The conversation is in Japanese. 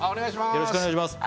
よろしくお願いします